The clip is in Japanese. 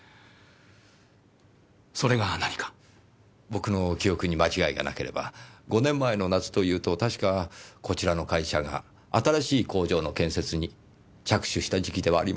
僕の記憶に間違いがなければ５年前の夏というと確かこちらの会社が新しい工場の建設に着手した時期ではありませんか？